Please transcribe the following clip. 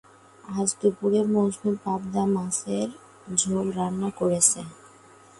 আজ দুপুরে মজনু পাবদা মাছের ঝোল রান্না করেছে।